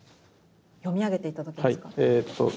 読み上げて頂けますか。